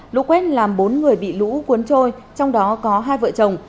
lũ quét làm bốn người bị lũ cuốn trôi trong đó có hai vợ chồng